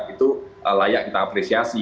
itu layak kita apresiasi